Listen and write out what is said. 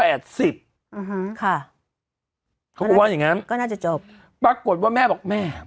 อืมค่ะเขาก็ว่าอย่างงั้นก็น่าจะจบปรากฏว่าแม่บอกแม่